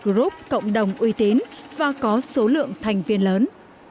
group cộng đồng uy tín và có số lượng thành viên lớn